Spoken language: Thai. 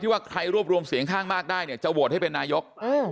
ว่าใครรวบรวมเสียงข้างมากได้เนี่ยจะโหวตให้เป็นนายก